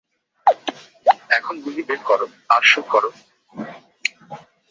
এখন গুলি বের করো, আর শ্যুট করো!